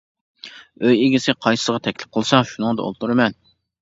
ئۆي ئىگىسى قايسىغا تەكلىپ قىلسا شۇنىڭدا ئولتۇرىمەن.